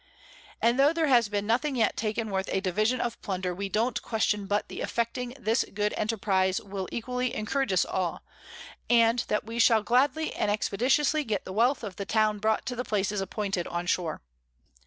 _ _And tho there had been nothing yet taken worth a Division of Plunder, we don't question but the effecting this good Enterprize will equally encourage us all, and that we shall gladly and expeditiously get the Wealth of the Town brought to the places appointed on shore.